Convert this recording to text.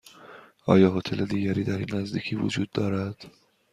آیا هتل دیگری در این نزدیکی وجود دارد؟